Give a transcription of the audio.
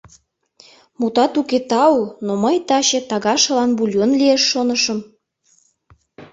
— Мутат уке, тау, но мый таче тага шылан бульон лиеш шонышым.